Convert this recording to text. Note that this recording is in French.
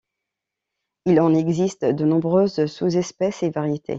Il en existe de nombreuses sous-espèces et variétés.